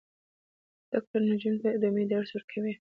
زده کړه نجونو ته د امید درس ورکوي.